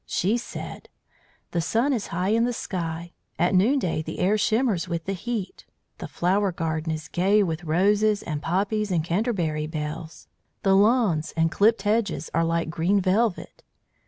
She said: "The sun is high in the sky; at noon day the air shimmers with the heat. The flower garden is gay with roses and poppies and Canterbury bells, the lawns and clipped hedges are like green velvet.